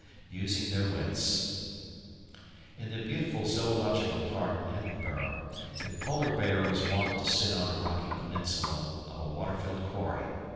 Using their Wits In the beautiful Zoological Park in Edinburgh the Polar Bear was wont to sit on a rocky peninsula of a water filled quarry.